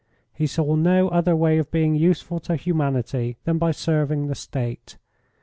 He saw no other way of being useful to humanity than by serving the State.